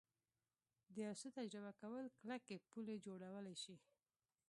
د یو څه تجربه کول کلکې پولې جوړولی شي